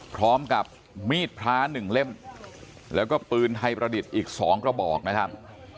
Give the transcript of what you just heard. พร้อมกับมีดพระ๑เล่มแล้วก็ปืนไทยประดิษฐ์อีก๒กระบอกนะครับ